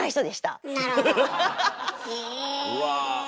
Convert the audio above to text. うわ。